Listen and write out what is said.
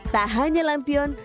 tak hanya lampion